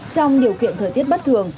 trong điều kiện thời tiết bất thường